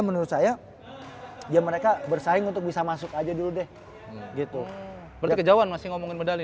menurut saya ya mereka bersaing untuk bisa masuk aja dulu deh gitu berarti kejauhan masih ngomongin medali